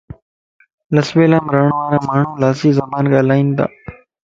لسبيلا مَ رھڻ وارا ماڻھو لاسي زبان ڳالھائينتا